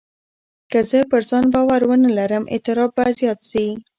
که زه پر ځان باور ونه لرم، اضطراب به زیات شي.